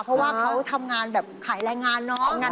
เพราะว่าเขาทำงานแบบขายแรงงานเนาะ